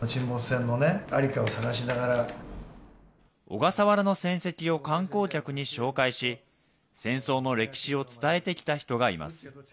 小笠原の戦跡を観光客に紹介し、戦争の歴史を伝えてきた人がいます。